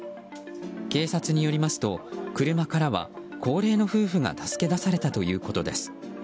警察によりますと車からは高齢の夫婦が助け出されたということです。